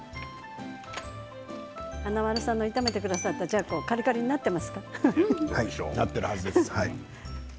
華丸さんが炒めてくださった、じゃこカリカリになっていますか。